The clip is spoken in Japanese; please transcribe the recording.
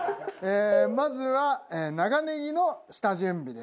まずは長ねぎの下準備です。